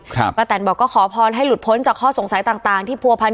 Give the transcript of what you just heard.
ป้าแตนบอกก็ขอพรให้หลุดพ้นจากข้อสงสัยต่างต่างที่ผัวพันธ